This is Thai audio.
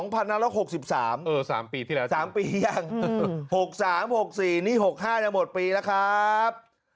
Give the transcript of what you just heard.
๓ปีที่แล้ว๓ปียัง๖๓๖๔นี่๖๕จะหมดปีแล้วครับ